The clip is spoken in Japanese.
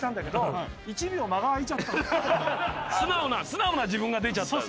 素直な自分が出ちゃった。